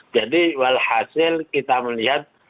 jadi walhasil kita melihat